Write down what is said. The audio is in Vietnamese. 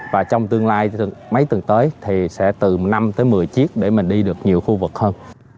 và trong tương lai mấy tuần tới thì sẽ từ năm tới một mươi chiếc để mình đi được nhiều khu vực hơn